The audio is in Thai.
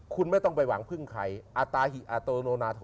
คุณไม่ต้องไปหวังพึ่งใคร